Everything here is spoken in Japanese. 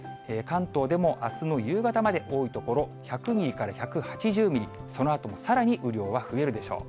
関東でもあすの夕方まで、多い所、１００ミリから１８０ミリ、そのあともさらに雨量は増えるでしょう。